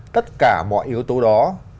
tất cả mọi yếu tố đó